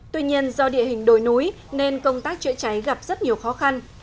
tuy nhiên do địa hình đồi núi nên công tác chữa cháy gặp rất nhiều khó khăn